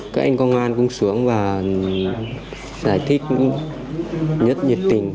các anh công an cũng xuống và giải thích rất nhiệt tình